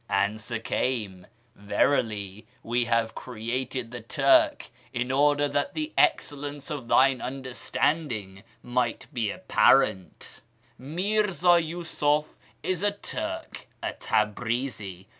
' Answer came, ' Verily We have created the Turk in order that the excellence of thine understanding might be apparent,' Mirza Yusuf is a Turk, a Tabrizi.